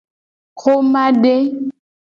Xomade.